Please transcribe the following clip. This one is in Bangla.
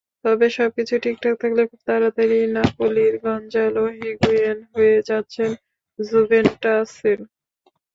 তবে সবকিছু ঠিকঠাক থাকলে খুব তাড়াতাড়িই নাপোলির গঞ্জালো হিগুয়েইন হয়ে যাচ্ছেন জুভেন্টাসের।